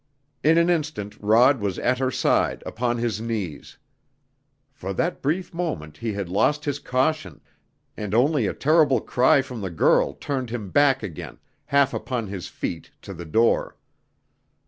In an instant Rod was at her side, upon his knees. For that brief moment he had lost his caution, and only a terrible cry from the girl turned him back again, half upon his feet, to the door.